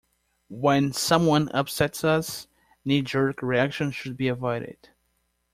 When someone upsets us, knee-jerk reactions should be avoided.